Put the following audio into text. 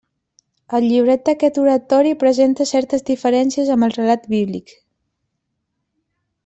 El llibret d'aquest oratori presenta certes diferències amb el relat bíblic.